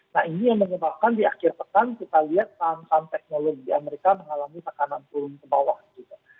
nah ini yang menyebabkan di akhir pekan kita lihat saham saham teknologi amerika mengalami tekanan turun ke bawah juga